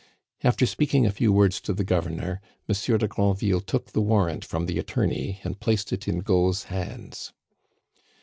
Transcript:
After speaking a few words to the governor, Monsieur de Granville took the warrant from the attorney and placed it in Gault's hands.